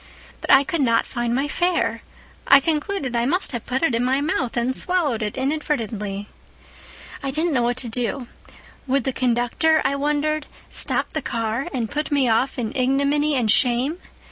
"But I could not find my fare. I concluded I must have put it in my mouth and swallowed it inadvertently. "I didn't know what to do. Would the conductor, I wondered, stop the car and put me off in ignominy and shame?